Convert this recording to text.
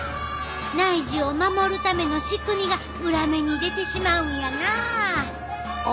内耳を守るための仕組みが裏目に出てしまうんやなあ。